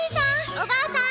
おばあさん